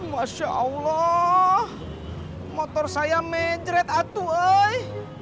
masya allah motor saya majret atuh eh